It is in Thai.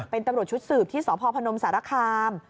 เป็นตำรวจชุดสืบที่สพพนมสารคาม